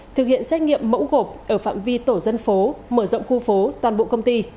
thực hiện xét nghiệm mẫu gộp ở phạm vi tổ dân phố mở rộng khu phố toàn bộ công ty